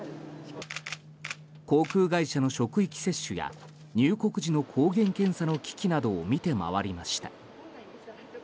航空会社の職域接種や入国時の抗原検査の機器などを見て回りました。